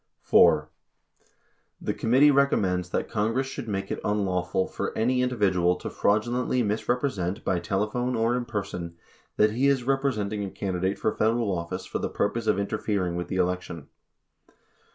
4. The committee recommends that Congress should make it unlawful for any individual to fraudulently misrepresent by telephone or in person that he is representing a candidate for Federal office for the purpose of interfering with the election.